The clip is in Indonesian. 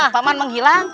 pak man menghilang